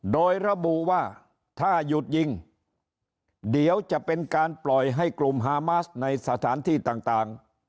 โดยระบุว่าถ้าหยุดยิงเดี๋ยวจะเป็นการปล่อยให้กลุ่มฮามาสในสถานที่ต่าง